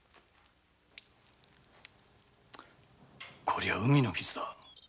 こりゃ海の水だ。